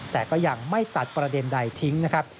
แต่ก็ยังไม่ตัดประเด็นใดทิ้งนะครับ